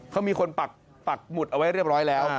เขามีคนปักหมุดเอาไว้เรียบร้อยแล้ว